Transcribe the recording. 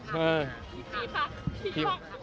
พี่พัก